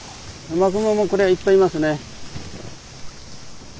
マコモもこれはいっぱいいますね。